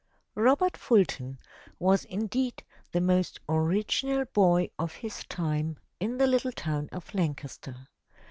Robert Fulton was indeed the most original boy of his time in the little town of Lancaster.